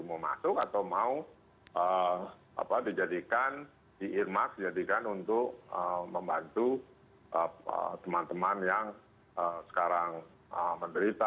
mau masuk atau mau dijadikan diirmas dijadikan untuk membantu teman teman yang sekarang menderita